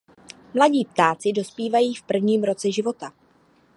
Mladí ptáci dospívají v prvním roce života.